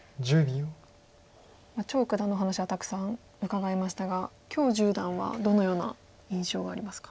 張栩九段の話はたくさん伺いましたが許十段はどのような印象がありますか。